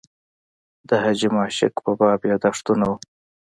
د حاجي ماشک په باب یاداښتونه و.